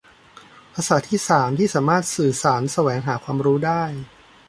ภาษาที่สามที่สามารถสื่อสารแสวงหาความรู้ได้